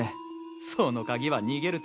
その鍵は逃げる